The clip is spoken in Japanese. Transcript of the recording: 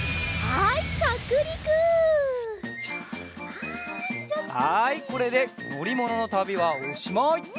はいこれでのりもののたびはおしまい！